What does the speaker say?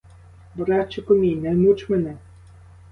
Братчику мій, не муч мене!